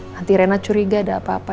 nanti renat curiga ada apa apa